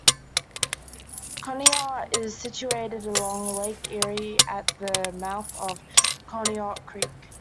Conneaut is situated along Lake Erie at the mouth of Conneaut Creek.